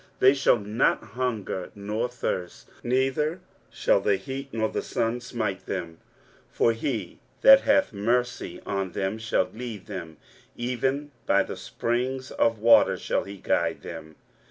23:049:010 They shall not hunger nor thirst; neither shall the heat nor sun smite them: for he that hath mercy on them shall lead them, even by the springs of water shall he guide them.